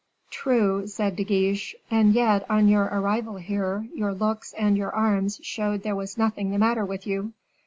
"True," said De Guiche; "and yet, on your arrival here, your looks and your arms showed there was nothing the matter with you."